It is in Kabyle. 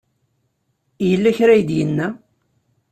Yella kra ay d-yenna?